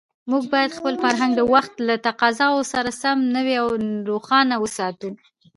موږ باید خپل فرهنګ د وخت له تقاضاوو سره سم نوی او روښانه وساتو.